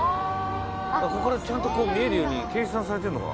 ここから見えるように計算されているのか。